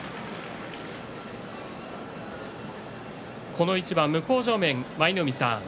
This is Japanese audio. この一番、向正面舞の海さん